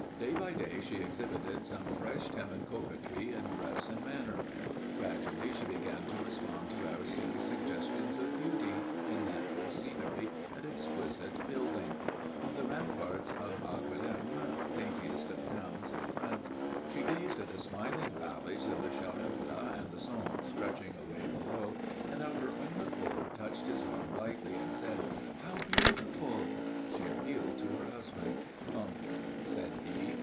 Day by day she exhibited some fresh timid coquetry in dress and manner. Gradually she began to respond to Aristide's suggestions of beauty in natural scenery and exquisite building. On the ramparts of Angoulême, daintiest of towns in France, she gazed at the smiling valleys of the Charente and the Son stretching away below, and of her own accord touched his arm lightly and said: "How beautiful!" She appealed to her husband. "Umph!" said he.